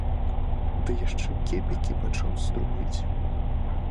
Ды яшчэ кепікі пачаў строіць.